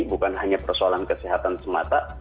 bukan hanya persoalan kesehatan semata